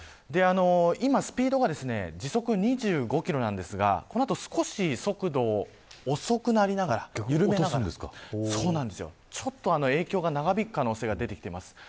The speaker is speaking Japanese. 今スピードが時速２５キロなんですがこの後、少し速度を遅くなりながら、緩めながらちょっと影響が長引く可能性が出てきています。